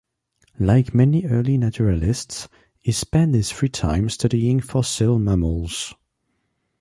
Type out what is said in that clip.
Like many early naturalists he spent his free time studying fossil mammals.